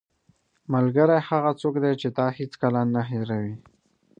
ملګری هغه څوک دی چې تا هیڅکله نه هېروي.